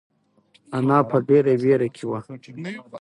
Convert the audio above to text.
انا په ډېره وېره کې وه.